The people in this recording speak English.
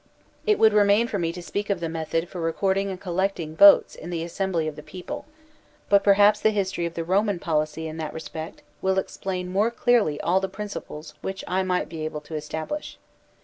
It would remain for me to speak of the method for re« cording and collecting votes in the assembly of the peo ple; but perhaps the history of the Roman policy in that respect will explain more clearly all the principles which I might be able to establish.